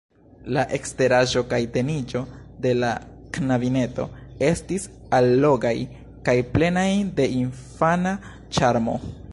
La eksteraĵo kaj teniĝo de la knabineto estis allogaj kaj plenaj de infana ĉarmo.